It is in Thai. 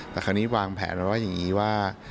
แต่คราวนี้วางแผนไว้ว่าอย่างนี้ว่า